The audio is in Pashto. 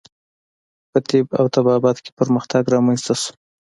په طب او طبابت کې پرمختګ رامنځته شو.